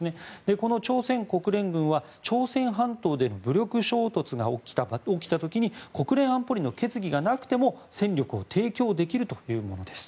この朝鮮国連軍は朝鮮半島での武力衝突が起きた時に国連安保理の決議がなくても戦力を提供できるというものです。